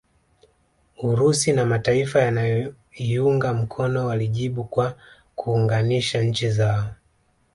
Urusi na mataifa yanayoiunga mkono walijibu kwa kuunganisha nchi zao